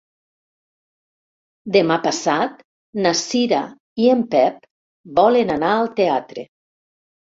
Demà passat na Cira i en Pep volen anar al teatre.